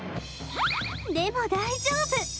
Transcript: でも大丈夫！